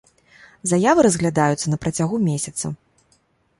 Заявы разглядаюцца на працягу месяца.